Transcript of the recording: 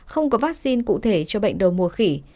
không có vaccine cụ thể cho bệnh đầu mùa khỉ